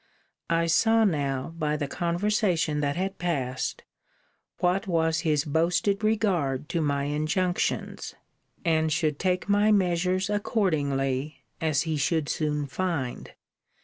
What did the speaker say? I saw now, by the conversation that had passed, what was his boasted regard to my injunctions; and should take my measures accordingly, as he should soon find.